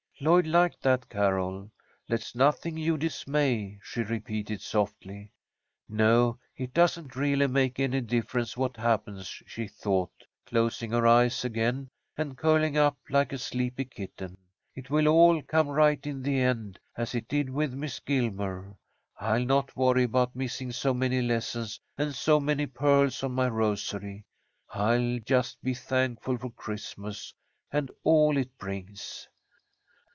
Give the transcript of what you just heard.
Lloyd liked that carol. "'Let nothing you dismay,'" she repeated, softly. "No, it doesn't really make any difference what happens," she thought, closing her eyes again and curling up like a sleepy kitten. "It will all come right in the end, as it did with Miss Gilmer. I'll not worry about missing so many lessons and so many pearls on my rosary. I'll just be thankful for Christmas and all it brings."